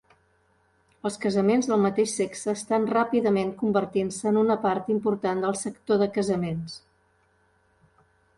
Els casaments del mateix sexe estan ràpidament convertint-se en una part important del sector de casaments.